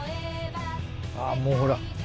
あぁもうほら。